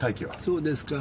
そうですか。